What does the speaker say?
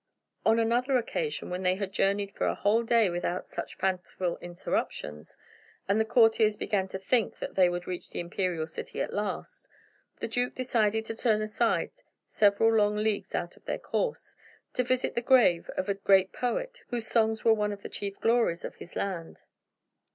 On another occasion, when they had journeyed for a whole day without any such fanciful interruptions, and the courtiers began to think that they would reach the imperial city at last, the duke decided to turn aside several long leagues out of their course, to visit the grave of a great poet whose songs were one of the chief glories of his land.